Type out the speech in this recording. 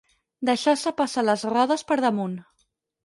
Deixar-se passar les rodes per damunt.